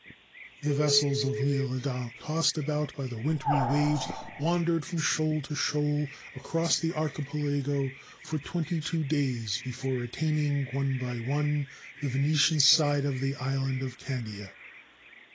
The vessels of L'lle Adam, tossed about by the wintry waves, wandered from shoal to shoal across the archi pelago for twenty two days before attaining, one by one, the Venetian side of the island of Candia.